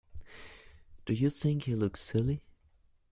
Do you think he looks silly?